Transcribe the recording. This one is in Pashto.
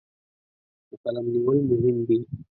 د قلم نیول مهم دي.